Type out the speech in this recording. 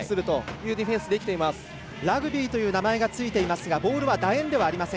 ラグビーという名前ですがボールはだ円ではありません。